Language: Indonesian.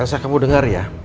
elsa kamu denger ya